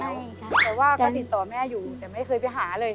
ใช่ค่ะแต่ว่าก็ติดต่อแม่อยู่แต่ไม่เคยไปหาเลย